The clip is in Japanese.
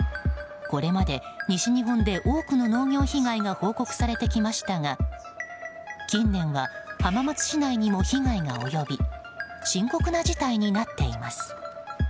これまで西日本で多くの農業被害が報告されてきましたが近年は、浜松市内にも被害が及び深刻な事態になっています。